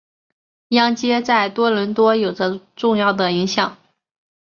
央街在多伦多有着重要的影响。